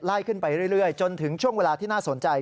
ขึ้นไปเรื่อยจนถึงช่วงเวลาที่น่าสนใจ